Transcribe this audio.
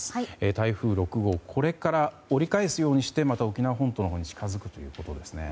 台風６号これから折り返すようにしてまた沖縄本島に近づくんですね。